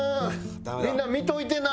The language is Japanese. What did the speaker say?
みんな見といてな！